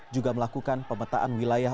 juga melakukan pemetaan wilayah